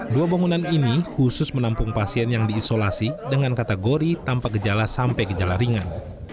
dua bangunan ini khusus menampung pasien yang diisolasi dengan kategori tanpa gejala sampai gejala ringan